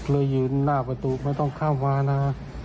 เลยยืนหน้าประตูไม่ต้องเข้ามานะ